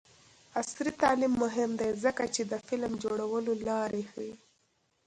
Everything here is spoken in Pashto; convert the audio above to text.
عصري تعلیم مهم دی ځکه چې د فلم جوړولو لارې ښيي.